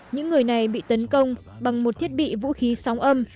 những người này bị tấn công bằng một thiết bị vũ khí sóng âm